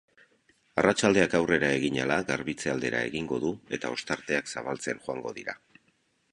Arratsaldeak aurrera egin ahala garbitze aldera egingo du eta ostarteak zabaltzen joango dira.